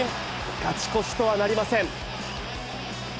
勝ち越しとはなりません。